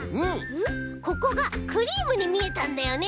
ここがクリームにみえたんだよね。